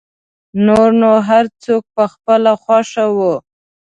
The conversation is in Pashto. نور نو هر څوک په خپله خوښه و.